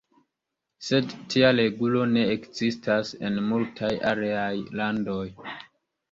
Sed tia regulo ne ekzistas en multaj aliaj landoj.